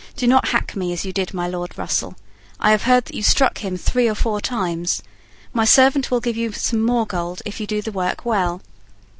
Do not hack me as you did my Lord Russell. I have heard that you struck him three or four times. My servant will give you some more gold if you do the work well."